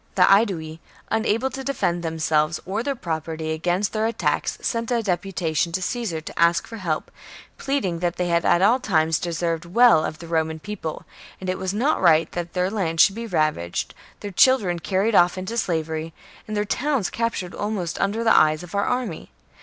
The Aedui, unable to defend them Heivetii. selves or their property against their attacks, sent a deputation to Caesar to ask for help, pleading that they had at all times deserved well of the Roman People, and it was not right that their lands should be ravaged, their children carried off into slavery, and their towns captured almost under the eyes of our army.